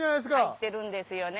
入ってるんですよね。